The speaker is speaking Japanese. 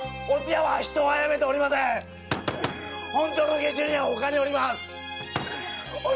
本当の下手人はほかにおります！